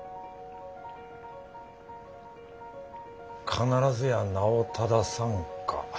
「必ずや名を正さんか」。